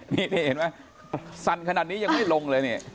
นี่เห็นไหมสั่นขนาดนี้ยังไม่ลงเลยเนี่ย